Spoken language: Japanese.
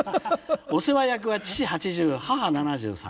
お世話役は父８０母７３。